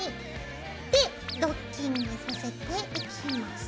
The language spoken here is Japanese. でドッキングさせてできます。